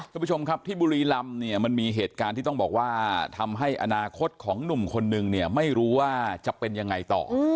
คุณผู้ชมครับที่บุรีรำเนี่ยมันมีเหตุการณ์ที่ต้องบอกว่าทำให้อนาคตของหนุ่มคนนึงเนี่ยไม่รู้ว่าจะเป็นยังไงต่อ